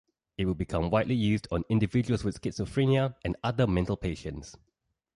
It would become widely used on individuals with schizophrenia and other mental patients.